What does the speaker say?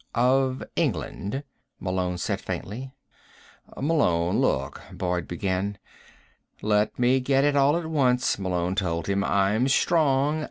"Of England," Malone said faintly. "Malone, look " Boyd began. "Let me get it all at once," Malone told him. "I'm strong.